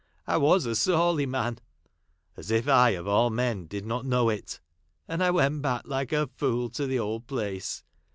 <I was a Sawley man," (as if I,, of all men, did not know it! ) "and I went back like a fool to the old place.